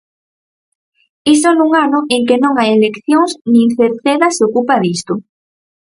Iso nun ano en que non hai eleccións nin Cerceda se ocupa disto.